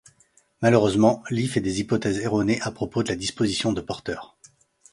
Malheureusement, Lee fait des hypothèses erronées à propos de la disposition de Porter.